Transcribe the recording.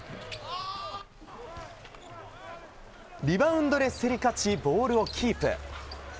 リバウンドで競り勝ちボールをキープ。